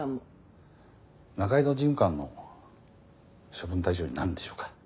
仲井戸事務官も処分対象になるんでしょうか？